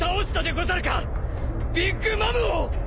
ビッグ・マムを。